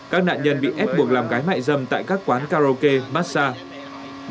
các nạn nhân bị ép buộc làm gái mại dâm tại các quán karaoke massage